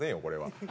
これは。